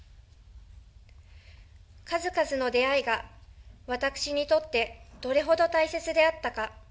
数々の出会いが私にとって、どれほど大切であったか。